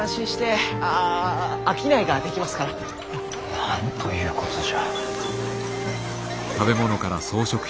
なんということじゃ。